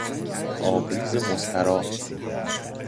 آبریز مستراح